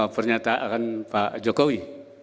pernyataan pak jokowi